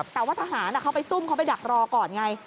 แต่ว่าทหารเขาไปซุ่มเขาไปดักรอก่อนไง